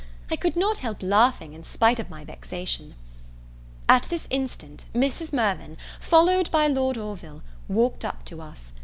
I could not help laughing, in spite of my vexation. At this instant, Mrs. Mirvan, followed by Lord Orville, walked up to us.